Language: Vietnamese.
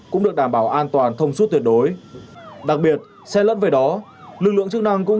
cũng được đảm bảo an toàn thông suốt tuyệt đối đặc biệt xe lẫn về đó lực lượng chức năng cũng